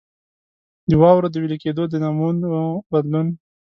د واورو د وېلې کېدو د نمونو بدلون.